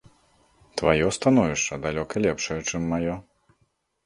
Тваё становішча далёка лепшае, чым маё.